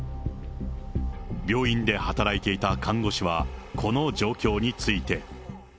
病院で働いていた看護師は、この状況について。